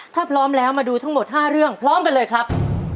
ถ้าพร้อมแล้วมาดูทั้งหมด๕เรื่องพร้อมกันเลยครับ